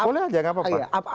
boleh aja gak apa apa